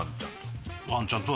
ワンちゃんと。